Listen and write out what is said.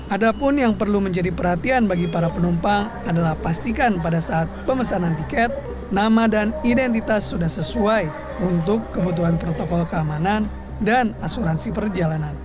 ada pun yang perlu menjadi perhatian bagi para penumpang adalah pastikan pada saat pemesanan tiket nama dan identitas sudah sesuai untuk kebutuhan protokol keamanan dan asuransi perjalanan